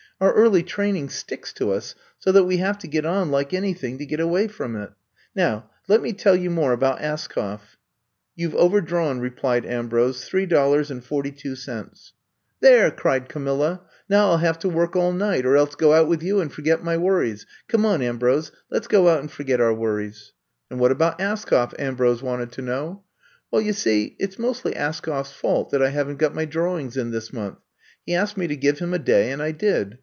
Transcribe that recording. Our early training sticks to us so that we have to get on like anything to get away from it. Now, let me tell you more about Askoff." You Ve overdrawn," replied Ambrose, three dollars and forty two cents." 102 I'VE COMB TO STAY There,'* cried Camilla, now I '11 have to work all night — or else go out with you and forget my worries! Come on, Am brose, let 's go out and forget our worries. '' And what about Askoflff Ambrose wanted to know. *'Well, you see, it 's mostly Askoff's fault that I have n't got my drawings In this month. He asked me to give him a day and I did.